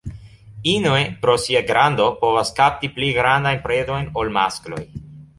Inoj pro sia grando povas kapti pli grandajn predojn ol maskloj.